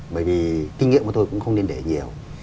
bởi vì kinh nghiệm của tôi cũng không nên để nhiều